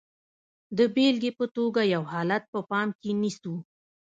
د بېلګې په توګه یو حالت په پام کې نیسو.